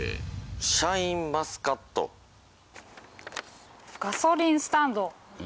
シャインマスカットガソリンスタンド